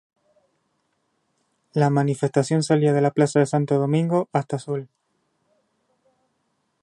La manifestación salía de la Plaza de Santo Domingo hasta Sol.